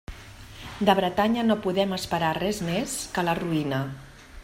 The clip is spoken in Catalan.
De Bretanya no podem esperar res més que la ruïna.